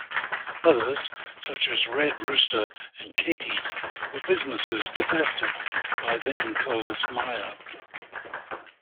Others such as Red Rooster and Katies were businesses divested by then Coles Myer.